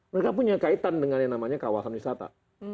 mereka punya kaitan dengan yang namanya kawasan wisata